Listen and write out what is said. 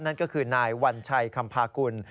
นั่นก็คือนายวัญชัยคำพากุล